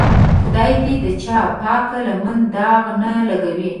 خدای دې د چا پاکه لمن داغ نه لګوي.